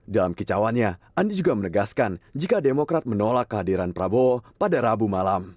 dalam kicauannya andi juga menegaskan jika demokrat menolak kehadiran prabowo pada rabu malam